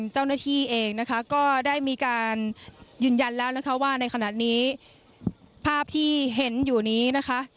เจ้าหน้าที่เองนะคะก็ได้มีการยืนยันแล้วนะคะว่าในขณะนี้ภาพที่เห็นอยู่นี้นะคะ